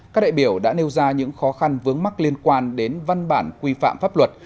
các đại biểu đã nêu ra những khó khăn vướng mắt liên quan đến văn bản quy phạm pháp luật